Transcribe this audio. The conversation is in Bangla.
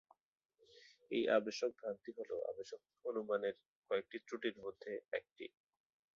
এই আবেশক ভ্রান্তি হল আবেশক অনুমানের কয়েকটি ত্রুটির মধ্যে একটি।